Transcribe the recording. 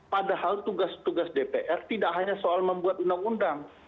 padahal tugas tugas dpr tidak hanya soal membuat undang undang